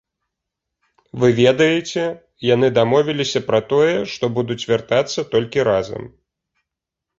Вы ведаеце, яны дамовіліся пра тое, што будуць вяртацца толькі разам.